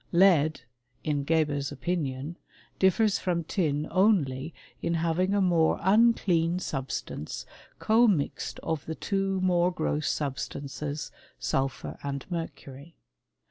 f Lead, in Geber's opinion, differs from tin only in having a more unclean substance commixed of the two more gross substances, sulphur and mercury.